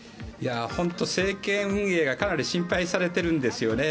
本当、政権運営がかなり心配されてるんですよね。